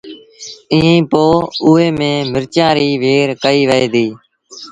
ائيٚݩ پو اُئي ميݩ مرچآݩ ريٚ وهير ڪئيٚ وهي ديٚ